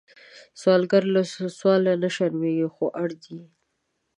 سوالګر له سوال نه شرمېږي، خو اړ دی